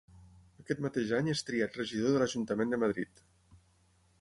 Aquest mateix any és triat regidor de l'Ajuntament de Madrid.